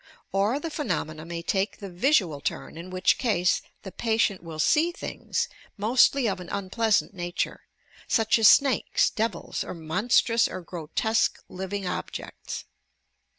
Or the phenomena may take the visual turn, in which case the patient will "see things," mostly of an un pleasant nature, such as snakes, devils, or monstrous or OBSESSION AND INSANITY 207 grotesque living objects.